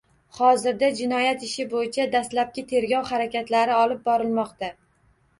Hozirda jinoyat ishi bo‘yicha dastlabki tergov harakatlari olib borilmoqda